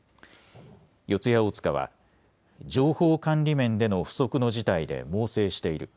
四谷大塚は情報管理面での不測の事態で猛省している。